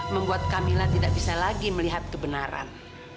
membuat camilan tidak bisa lagi melihat kebenaran